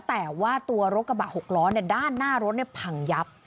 แต่ว่าตัวรถกระบะหกล้อเนี้ยด้านหน้ารถเนี้ยพังยับ